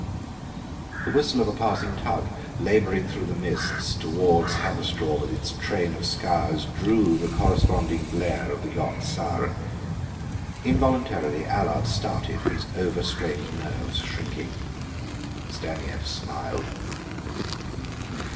The whistle of a passing tug, laboring through the mists toward Haverstraw with its train of scows, drew the corresponding blare of the yacht's siren. Involuntarily Allard started, his over strained nerves shrinking. Stanief smiled.